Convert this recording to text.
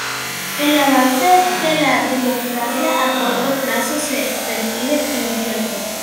El avance de la democracia a corto plazo se percibe incierto.